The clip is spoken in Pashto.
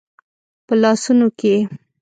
په لاسونو کې یې